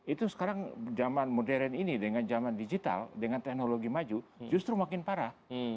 itu sekarang zaman modern ini dengan zaman digital dengan teknologi maju justru makin parah